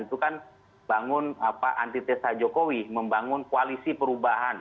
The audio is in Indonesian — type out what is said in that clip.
dan itu kan bangun anti tesa jokowi membangun koalisi perubahan